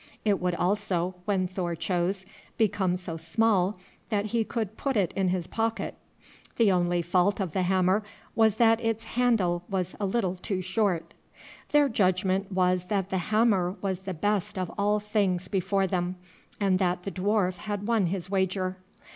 It would also, when Thor chose, become so small that he could put it in his pocket. The only fault of the hammer was that its handle was a little too short. Their judgment was that the hammer was the best of all the things before them, and that the dwarf had won his wager.